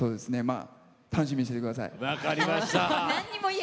楽しみにしててください。